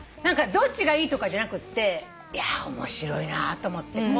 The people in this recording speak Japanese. どっちがいいとかじゃなくっていや面白いなと思って。